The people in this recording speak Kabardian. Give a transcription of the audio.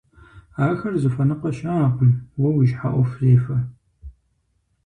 Ахэр зыхуэныкъуэ щыӀэкъым, уэ уи щхьэ Ӏуэху зехуэ.